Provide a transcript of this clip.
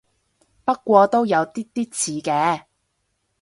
不過都有啲啲似嘅